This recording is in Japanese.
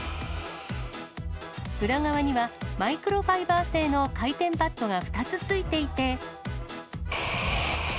裏側には、マイクロファイバー製の回転パッドが２つ付いていて。